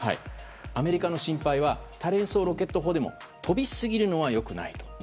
アメリカの心配は多連装ロケット砲でも飛びすぎるのは良くないと。